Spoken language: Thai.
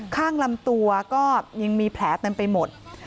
ข้างลำตัวก็ยังมีแผลเต็มไปหมด